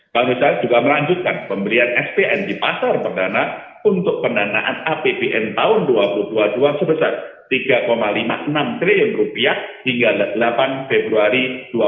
bank indonesia juga melanjutkan pembelian spn di pasar perdana untuk pendanaan apbn tahun dua ribu dua puluh dua sebesar rp tiga lima puluh enam triliun hingga delapan februari dua ribu dua puluh